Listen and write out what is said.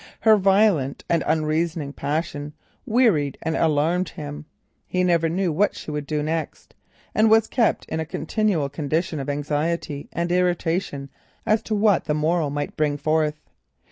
Her violent and unreasoning passion wearied and alarmed him, he never knew what she would do next and was kept in a continual condition of anxiety and irritation as to what the morrow might bring forth.